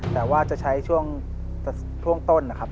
แต่ว่าจะใช้ช่วงต้นนะครับ